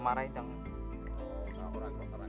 ini harus dikonsumsi oleh rakyat